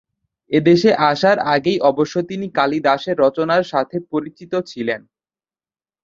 এদেশে আসার আগেই অবশ্য তিনি কালিদাসের রচনার সাথে পরিচিত ছিলেন।